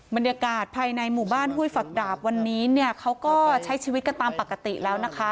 บรรยากาศภายในหมู่บ้านห้วยฝักดาบวันนี้เนี่ยเขาก็ใช้ชีวิตกันตามปกติแล้วนะคะ